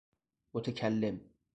متکلم